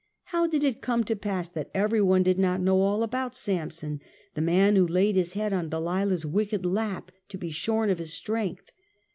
How did it come to pass that every one did not know all about Samson, the man who had laid his head on Delilah's wicked lap, to be shorn of his strength.